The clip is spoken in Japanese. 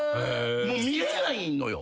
もう見られないのよ。